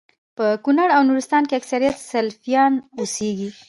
په کونړ او نورستان کي اکثريت سلفيان اوسيږي